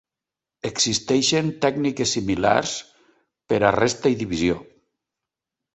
Existeixen tècniques similars per a resta i divisió.